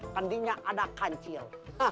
kendi nya ada kancil